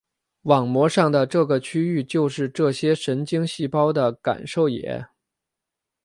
网膜上的这个区域就是这些神经细胞的感受野。